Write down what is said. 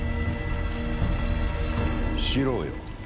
四郎よ。